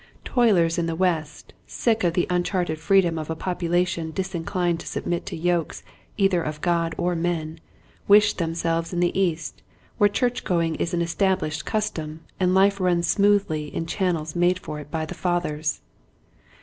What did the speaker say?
Toilers in the West, sick of the unchartered freedom of a population disin clined to submit to yokes either of God or men, wish themselves in the East where church going is an established custom and life runs smoothly in channels made for it by the fathers.